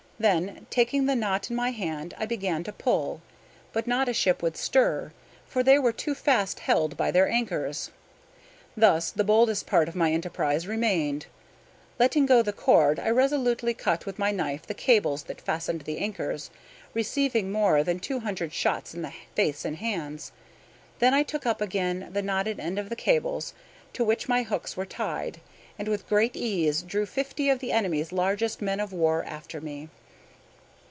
Then, taking the knot in my hand, I began to pull; but not a ship would stir, for they were too fast held by their anchors. Thus the boldest part of my enterprise remained. Letting go the cord, I resolutely cut with my knife the cables that fastened the anchors, receiving more than two hundred shots in my face and hands. Then I took up again the knotted end of the cables to which my hooks were tied, and with great ease drew fifty of the enemy's largest men of war after me.